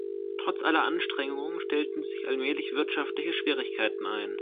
Trotz aller Anstrengungen stellten sich allmählich wirtschaftliche Schwierigkeiten ein.